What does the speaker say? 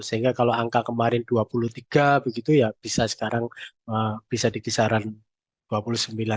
sehingga kalau angka kemarin dua puluh tiga begitu ya bisa sekarang bisa dikisaran dua puluh sembilan tiga puluh persenan